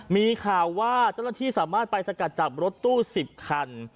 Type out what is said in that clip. มีข่าวที่สามารถไปชดจับรถตู้๑๐คัน